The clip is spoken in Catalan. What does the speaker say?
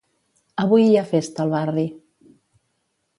Avui hi ha festa al barri.